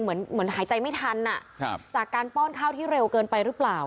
เหมือนหายใจไม่ทันจากการป้อนข้าวที่เร็วเกินไปหรือเปล่า